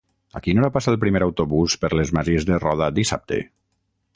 A quina hora passa el primer autobús per les Masies de Roda dissabte?